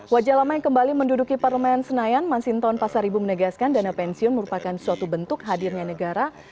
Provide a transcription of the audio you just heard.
wajah lama yang kembali menduduki parlemen senayan masinton pasaribu menegaskan dana pensiun merupakan suatu bentuk hadirnya negara